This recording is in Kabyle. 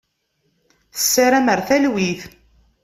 Tessaram ar talwit.